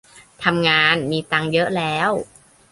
ทำงานมีตังค์เยอะแล้ว